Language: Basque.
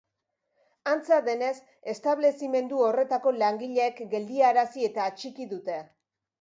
Antza denez, establezimendu horretako langileek geldiarazi eta atxiki dute.